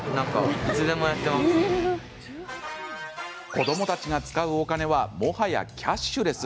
子どもたちが使うお金はもはやキャッシュレス。